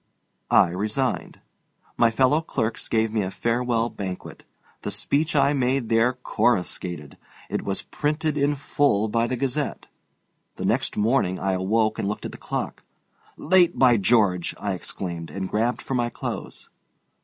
I resigned. My fellow clerks gave me a farewell banquet. The speech I made there coruscated. It was printed in full by the Gazette. The next morning I awoke and looked at the clock. "Late, by George!" I exclaimed, and grabbed for my clothes.